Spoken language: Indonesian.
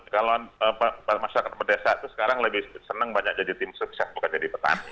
kalau masyarakat pedesa itu sekarang lebih senang banyak jadi tim sukses bukan jadi petani